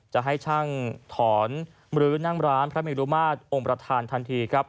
จะให้ช่างถอนมรื้อนั่งร้านพระเมรุมาตรองค์ประธานทันทีครับ